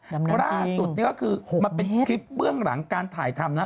ล่าสุดนี่ก็คือมันเป็นคลิปเบื้องหลังการถ่ายทำนะ